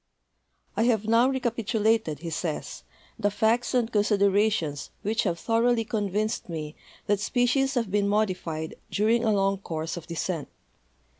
"I have now recapitulated," he says, "the facts and considerations which have thoroly convinced me that spe cies have been modified during a long course of descent.